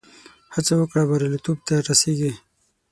هڅه وکړه، بریالیتوب ته رسېږې.